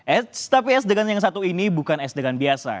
eh tapi es degan yang satu ini bukan es degan biasa